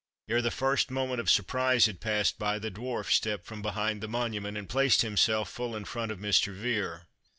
Ere the first moment of surprise had passed by, the Dwarf stepped from behind the monument, and placed himself full in front of Mr. Vere.